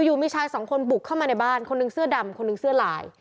อยู่มีชายสองคนบุกเข้ามาในบ้านคนหนึ่งเสื้อดำคนนึงเสื้อลาย